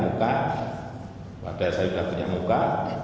muka waktu yang saya sudah punya muka